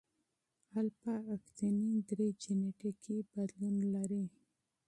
الفا اکتینین درې جینیټیکي بدلون لري.